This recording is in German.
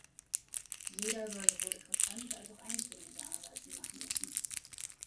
Jeder soll sowohl interessante als auch eintönige Arbeiten machen müssen.